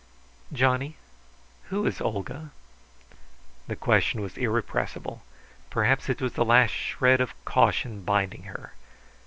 "Johnny, who is Olga?" The question was irrepressible. Perhaps it was the last shred of caution binding her.